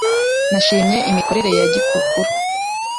Nashimye, imikorere ya Gikukuru